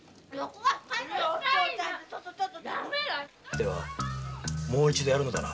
ではもう一度殺るのだな。